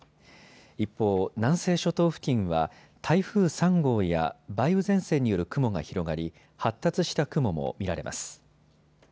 一方、南西諸島付近は台風３号や梅雨前線による雲が広がり発達した雲も見られます。